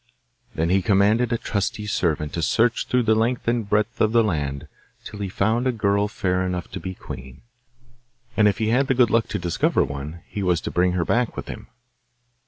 Then he commanded a trusty servant to search through the length and breadth of the land till he found a girl fair enough to be queen, and if he had the good luck to discover one he was to bring her back with him.